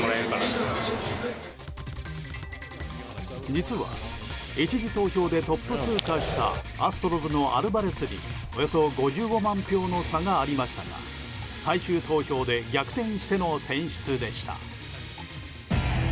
実は１次投票でトップ通過したアストロズのアルバレスにおよそ５５万票の差がありましたが最終投票で逆転しての選出でした。